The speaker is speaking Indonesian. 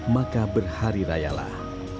maka berhari rayalah